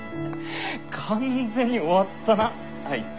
完全に終わったなあいつ。